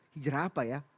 hijrah apa ya